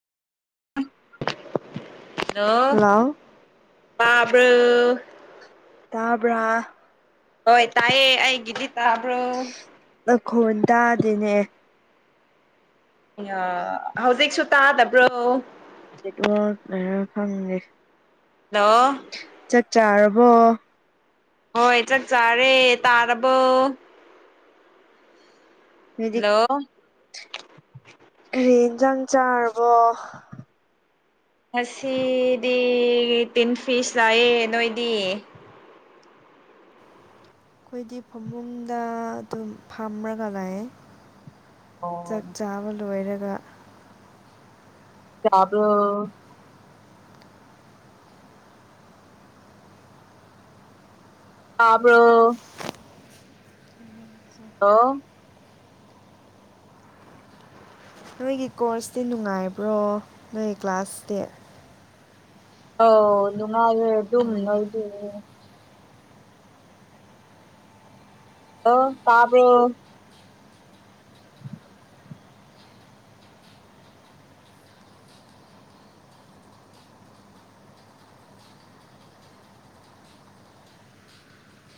hello hello ꯇꯥꯥꯕ꯭ꯔꯣ ꯇꯥꯕ꯭ꯔꯥ ꯍꯣꯏ ꯇꯥꯏꯌꯦ ꯑꯩꯒꯤꯗꯤ ꯇꯥꯕ꯭ꯔꯣ ꯅꯈꯣꯟ ꯇꯥꯗꯦꯅꯦ ꯑꯌꯥ ꯍꯧꯖꯤꯛꯁꯨ ꯇꯥꯗꯕ꯭ꯔꯣ ꯅꯦꯠꯋꯥꯛꯅꯔ ꯈꯪꯗꯦ ꯍꯜꯂꯣ ꯆꯛ ꯆꯥꯔꯕꯣ ꯍꯣꯏ ꯆꯥꯛ ꯆꯥꯔꯦ ꯇꯥꯔꯕꯣ ꯅꯣꯏꯗꯤ ꯍꯜꯂꯣ ꯀꯔꯤ ꯏꯟꯖꯥꯡ ꯆꯥꯔꯕꯣ ꯉꯁꯤꯗꯤ ꯇꯤꯟ ꯐꯤꯁ ꯂꯥꯏꯌꯦ ꯅꯣꯏꯗꯤ ꯑꯩꯈꯣꯏꯗꯤ ꯐꯃꯨꯡꯗ ꯑꯗꯨꯝ ꯐꯝꯔꯒ ꯂꯩꯌꯦ ꯑꯣ ꯆꯥꯛ ꯆꯥꯕ ꯂꯣꯏꯔꯒ ꯆꯥꯕ꯭ꯔꯣ ꯇꯥꯕ꯭ꯔꯣ ꯍꯜꯂꯣ ꯅꯣꯏꯒꯤ ꯀꯣꯔꯁꯇꯤ ꯅꯨꯡꯉꯥꯏꯕ꯭ꯔꯣ ꯅꯣꯏ ꯀ꯭ꯂꯥꯁꯇꯤ ꯑꯧ ꯅꯨꯡꯉꯥꯏꯌꯦ ꯑꯗꯨꯝ ꯅꯣꯏꯗꯤ ꯑꯣ ꯇꯥꯕ꯭ꯔꯣ